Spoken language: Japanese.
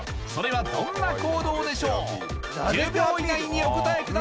それはどんな行動でしょう１０秒以内にお答え